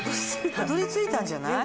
たどり着いたんじゃない？